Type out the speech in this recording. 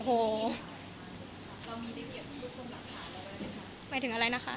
โอ้โห